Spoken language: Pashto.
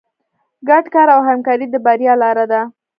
ګډ کار او همکاري د بریا لاره ده.